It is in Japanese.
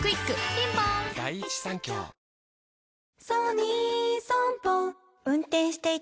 ピンポーンあー